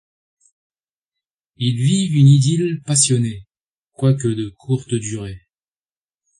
Ils vivent une idylle passionnée, quoique de courte durée.